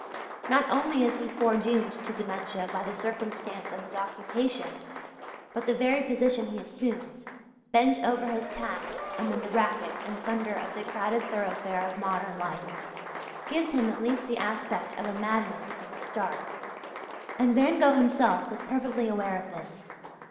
Not only is he foredoomed to dementia by the circumstance of his occupation, but the very position he assumes bent over his task amid the racket and thunder of the crowded thoroughfare of modern life gives him at least the aspect of a madman from the start. And Van Gogh himself was perfectly aware of this.